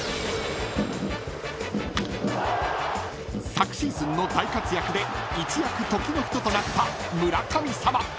［昨シーズンの大活躍で一躍時の人となった村神様］